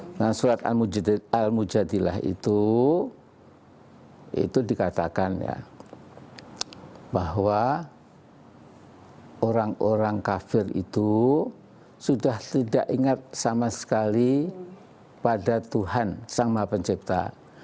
dengan surat al mujadillah itu dikatakan ya bahwa orang orang kafir itu sudah tidak ingat sama sekali pada tuhan sang maha pencipta